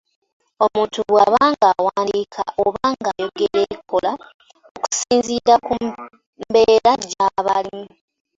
Omuntu bw'aba ng’awandiika oba ng’ayogera abikola okusinziira ku mbeera gy’aba alimu.